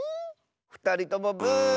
ふたりともブー。